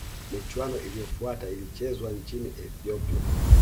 michuano iliyofuata ilichezwa nchini ethiopia